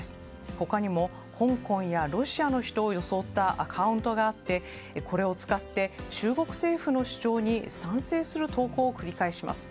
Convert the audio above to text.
ほかにも香港やロシアの人を装ったアカウントがあってこれを使って中国政府の主張に賛成する投稿を繰り返します。